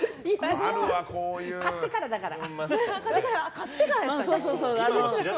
買ってからだから。